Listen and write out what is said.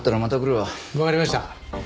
わかりました。